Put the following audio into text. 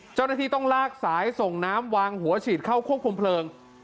เจ้าหน้าที่ต้องลากสายส่งน้ำวางหัวฉีดเข้าควบคุมเพลิง